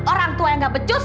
orang tua yang gak becus